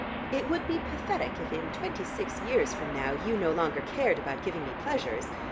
It would be pathetic if in twenty six years from now you no longer cared about giving me pleasures.